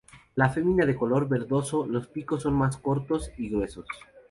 La femenina de color verdoso los picos son más cortos y gruesos.